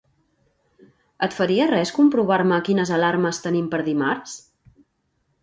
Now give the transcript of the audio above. Et faria res comprovar-me quines alarmes tenim per dimarts?